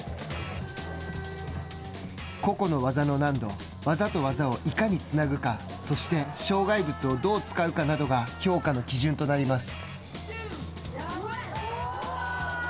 個々の技の難度、技と技をいかにつなぐか、そして、障害物をどう使うかなどが評価の基準となります。